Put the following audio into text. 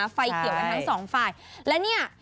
ใช่ฝ่ายเกี่ยวในทั้ง๒ฝ่ายและเนี่ย